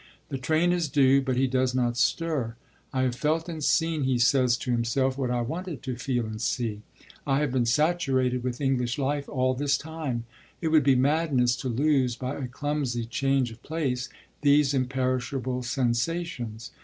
The train is due, but he does not stir. 'I have felt and seen,' he says to himself, 'what I wanted to feel and see. I have been saturated with English life all this time; it would be madness to lose, by a clumsy change of place, these imperishable sensations.'